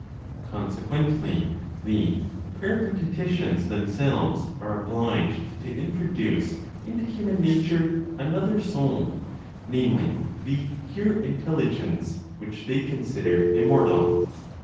Consequently the Peripateticians themselves are obliged to introduce (into human nature) another soul, namely, the pure intelligence, which they consider immortal.